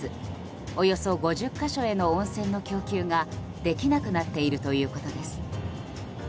およそ５０か所への温泉の供給ができなくなっているということです。